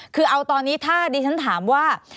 คือเอาตอนนี้ถ้าดิฉันถามว่า